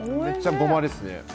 めっちゃゴマですね。